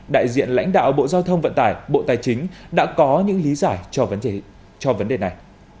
đại diện lãnh đạo bộ giao thông vận tải bộ tài chính đã có những lý giải cho vấn đề này